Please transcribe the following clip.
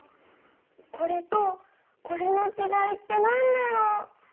これとこれのちがいってなんだろう？